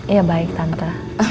ya baik tante